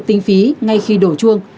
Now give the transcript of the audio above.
tinh phí ngay khi đổ chuông